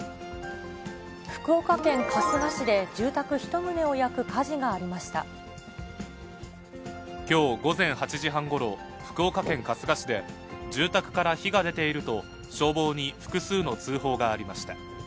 福岡県春日市で、きょう午前８時半ごろ、福岡県春日市で、住宅から火が出ていると、消防に複数の通報がありました。